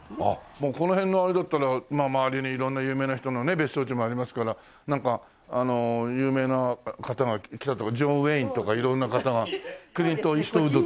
もうこの辺のあれだったらまあ周りに色んな有名な人のね別荘地もありますからなんか有名な方が来たとかジョン・ウェインとか色んな方がクリント・イーストウッドとか。